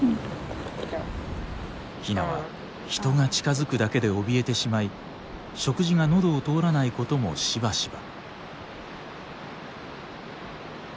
ヒナは人が近づくだけでおびえてしまい食事がのどを通らないこともしばしば。